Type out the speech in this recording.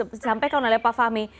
disampaikan oleh pak fahmi